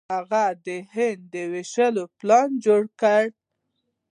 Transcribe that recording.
هغه د هند د ویشلو پلان جوړ کړ.